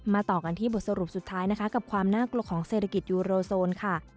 ต่อกันที่บทสรุปสุดท้ายนะคะกับความน่ากลัวของเศรษฐกิจยูโรโซนค่ะ